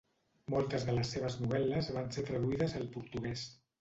Moltes de les seves novel·les van ser traduïdes al portuguès.